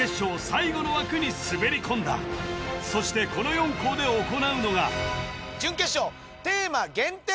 最後の枠に滑り込んだそしてこの４校で行うのが準決勝テーマ限定